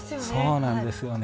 そうなんですよね。